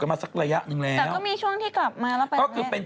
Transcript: ก็กลายเป็นเพื่อน